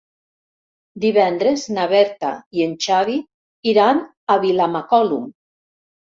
Divendres na Berta i en Xavi iran a Vilamacolum.